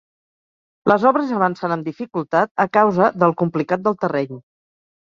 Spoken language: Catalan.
Les obres avancen amb dificultat, a causa del complicat del terreny.